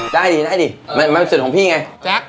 ได้ดีมันสิ่งของพี่ไง